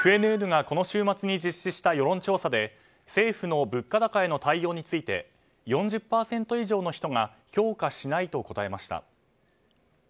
ＦＮＮがこの週末に実施した世論調査で政府の物価高への対応について４０％以上の人が評価しないと答えました。